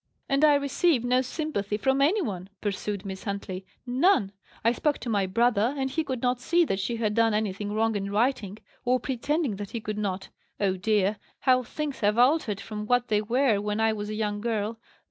"And I receive no sympathy from any one!" pursued Miss Huntley. "None! I spoke to my brother, and he could not see that she had done anything wrong in writing: or pretended that he could not. Oh dear! how things have altered from what they were when I was a young girl!